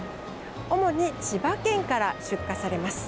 主に千葉県から出荷されます。